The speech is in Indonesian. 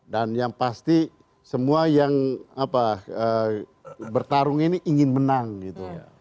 dan yang pasti semua yang bertarung ini ingin menang gitu